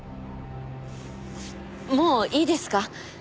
もういいですか？